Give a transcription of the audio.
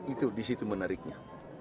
itu disitu menariknya